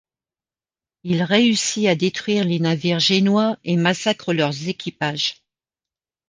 Il réussit à détruire les navires génois et massacre leurs équipages.